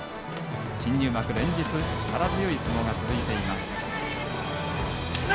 新入幕連日、力強い相撲が続いています。